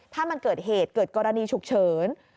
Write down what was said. ถ้ามันเกิดเหตุเกิดกรณีฉุกเฉิน